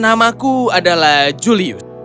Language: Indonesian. namaku adalah julius